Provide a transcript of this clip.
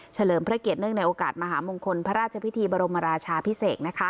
เลิมพระเกียรติเนื่องในโอกาสมหามงคลพระราชพิธีบรมราชาพิเศษ